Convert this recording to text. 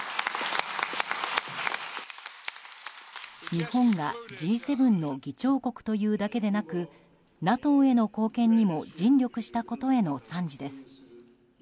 日本がＧ７の議長国というだけでなくＮＡＴＯへの貢献にも尽力したことへの賛辞です。